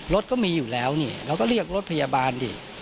รถก็มีอยู่แล้วนี่เราก็เรียกรถพยาบาลดิ